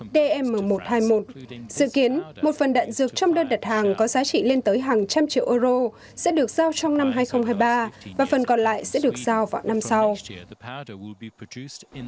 dm một trăm hai mươi một dự kiến một phần đạn dược trong đơn đặt hàng có giá trị lên tới hàng trăm triệu euro sẽ được giao trong năm hai nghìn hai mươi ba và phần còn lại sẽ được giao vào năm sau